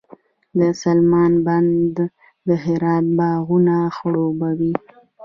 د سلما بند د هرات باغونه خړوبوي.